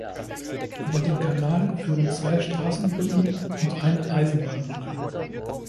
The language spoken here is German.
Über den Kanal führen zwei Straßenbrücken und eine Eisenbahnbrücke.